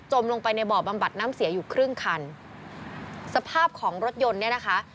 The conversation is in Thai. ลงไปในบ่อบำบัดน้ำเสียอยู่ครึ่งคันสภาพของรถยนต์เนี่ยนะคะ